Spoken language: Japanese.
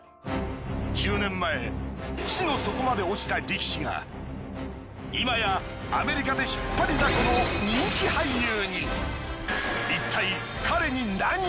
１０年前地の底まで落ちた力士がいまやアメリカで引っ張りだこの人気俳優に。